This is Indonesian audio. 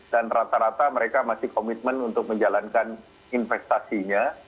dan rata rata mereka masih komitmen untuk menjalankan investasinya